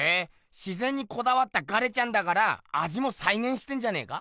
自ぜんにこだわったガレちゃんだからあじもさいげんしてんじゃねえか？